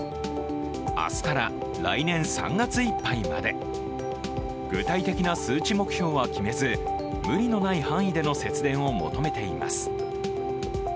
明日から来年３月いっぱいまで具体的な数値目標は決めず無理のない範囲での節電を求めています。